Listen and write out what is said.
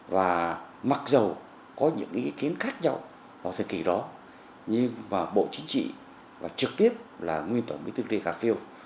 và mặc dù có những ý kiến khác nhau vào thời kỳ đó nhưng mà bộ chính trị và trực tiếp là nguyên tổng bí thư lê khả phiêu